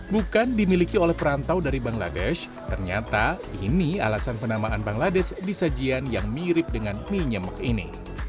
bukan dimiliki oleh perantau dari bangladesh ternyata ini alasan penamaan bangladesh di sajian yang mirip dengan mie nyemek ini